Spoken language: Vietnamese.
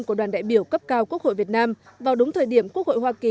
của đoàn đại biểu cấp cao quốc hội việt nam vào đúng thời điểm quốc hội hoa kỳ